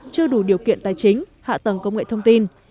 chưa đủ điều kiện tài chính hạ tầng công nghệ thông tin